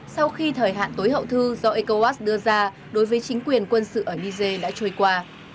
sau khi thời hạn tối hậu thư do ecowas đưa ra đối với chính quyền quân sự ở niger đã trôi qua